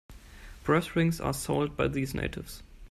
Brass rings are sold by these natives.